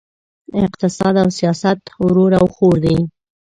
اقتصاد او سیاست ورور او خور دي!